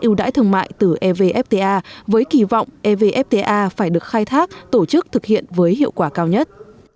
ưu đãi thương mại từ evfta với kỳ vọng evfta phải được khai thác tổ chức thực hiện với hiệu quả cao nhất